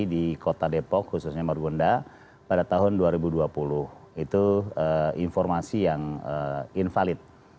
di kota depok khususnya margonda pada tahun dua ribu dua puluh itu informasi yang invalid